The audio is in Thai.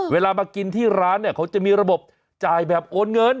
เวลามากินที่ร้านเนี่ยเขาจะมีระบบจ่ายแบบโอนเงิน